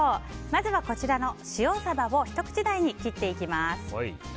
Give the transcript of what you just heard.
まずは塩サバをひと口大に切っていきます。